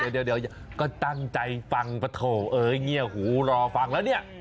เดี๋ยวก็ตั้งใจฟังปะโถเอ้ยเงียบหูรอฟังแล้วเนี่ย